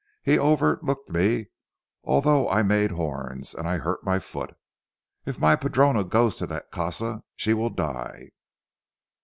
He overlooked me although I made horns, and I hurt my foot. If my padrona goes to that casa she will die."